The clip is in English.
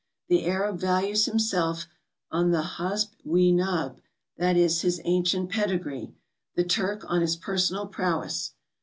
The Arab values himself on the hash we nash, that is, his ancient pedigree; the Turk on his personal prowess.